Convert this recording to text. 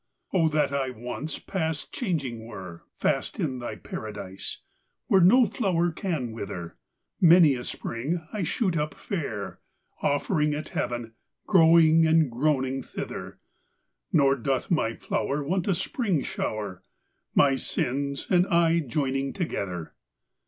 O that I once past changing were, Fast in thy paradise, where no flower can wither! Many a spring I shoot up fair, Off'ring at heav'n, growing and groning thither; Nor doth my flowerWant a spring showre, My sinnes and I joining together.